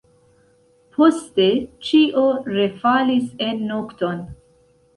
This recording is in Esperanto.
Poste ĉio refalis en nokton.